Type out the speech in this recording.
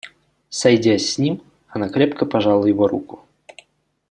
Сойдясь с ним, она крепко пожала его руку.